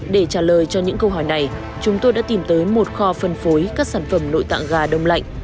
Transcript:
để trả lời cho những câu hỏi này chúng tôi đã tìm tới một kho phân phối các sản phẩm nội tạng gà đông lạnh